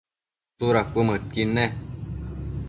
tsuda cuëmëdqui nec?